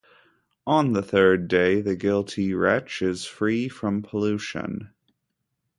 On the third day, the guilty wretch is free from pollution.